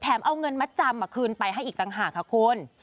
เอาเงินมัดจำคืนไปให้อีกต่างหากค่ะคุณ